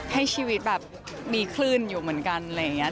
ให้ชีวิตแบบมีคลื่นอยู่เหมือนกันอะไรอย่างนี้